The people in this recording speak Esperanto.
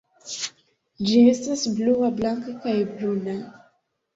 Ĝi estas blua, blanka, kaj bruna.